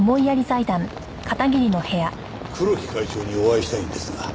黒木会長にお会いしたいんですが。